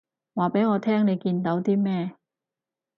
話畀我聽你見到啲咩